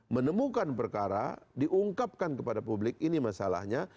menemukan perkara diungkapkan kepada publik ini masalahnya